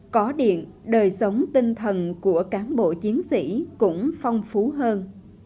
có điện đời sống tinh thần của cán bộ chiến sĩ cũng phong phú hơn